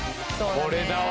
これだわ。